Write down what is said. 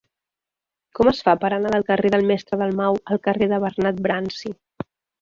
Com es fa per anar del carrer del Mestre Dalmau al carrer de Bernat Bransi?